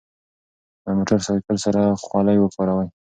له موټر سایکل سره خولۍ وکاروئ.